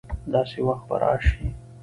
داسي وخت به راشي